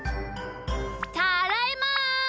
ただいま！